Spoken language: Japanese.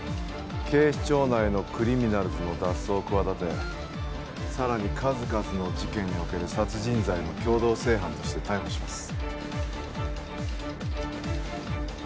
警視庁内のクリミナルズの脱走を企てさらに数々の事件における殺人罪の共同正犯として逮捕します